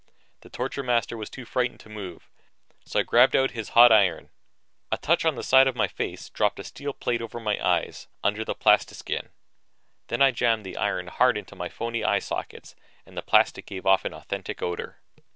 The torture master was too frightened to move, so I grabbed out his hot iron. A touch on the side of my face dropped a steel plate over my eyes, under the plastiskin. Then I jammed the iron hard into my phony eye sockets and the plastic gave off an authentic odor.